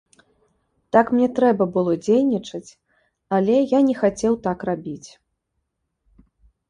Так мне трэба было дзейнічаць, але я не хацеў так рабіць.